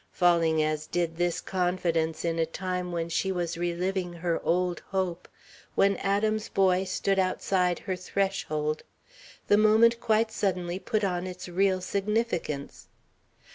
Falling as did this confidence in a time when she was re living her old hope, when Adam's boy stood outside her threshold, the moment quite suddenly put on its real significance.